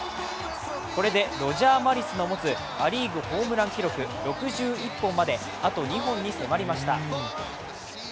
これでロジャー・マリスの持つア・リーグホームラン記録６１本まであと２本に迫りました。